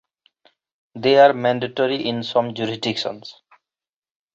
They are mandatory in some jurisdictions.